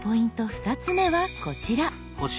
２つ目はこちら。